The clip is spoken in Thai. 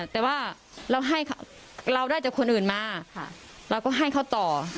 แต่ว่าเราให้เราได้จากคนอื่นมาเราก็ให้เขาต่อ